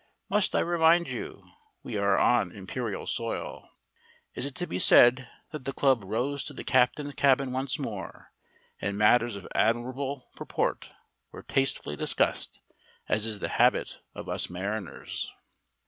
(Must I remind you, we were on imperial soil.) Is it to be said that the club rose to the captain's cabin once more, and matters of admirable purport were tastefully discussed, as is the habit of us mariners?